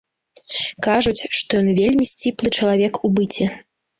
Кажуць, што ён вельмі сціплы чалавек у быце.